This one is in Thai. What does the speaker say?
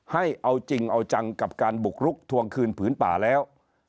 ให้เอาจริงเอาจังกับการบุกรุกทวงคืนผืนป่าแล้ว